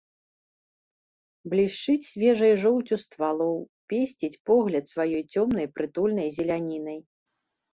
Блішчыць свежай жоўцю ствалоў, песціць погляд сваёй цёмнай прытульнай зелянінай.